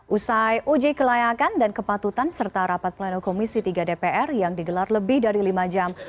usai uji kelayakan dan kepatutan serta rapat pleno komisi tiga dpr yang digelar lebih dari lima jam